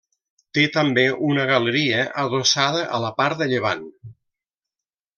Té també una galeria adossada a la part de llevant.